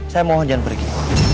saya mohon jangan pergi